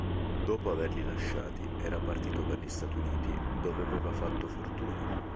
Dopo averli lasciati, era partito per gli Stati Uniti dove aveva fatto fortuna.